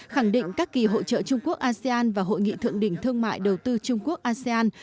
khẳng định các kỳ hội trợ trung quốc asean và hội nghị thượng đỉnh thương mại đầu tư trung quốc asean